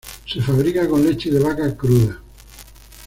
Se fabrica con leche de vaca cruda.